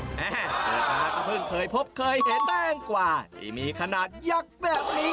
แต่ตาก็เพิ่งเคยพบเคยเห็นแต้งกว่าที่มีขนาดยักษ์แบบนี้